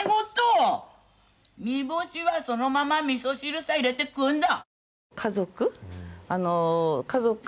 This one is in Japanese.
煮干しはそのままみそ汁さ入れて食うんだ。